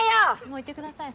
もう行ってください。